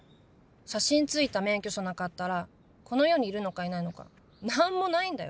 写真ついた免許証なかったらこの世にいるのかいないのか何もないんだよ。